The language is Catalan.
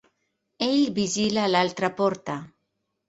Ell vigila l'altra porta.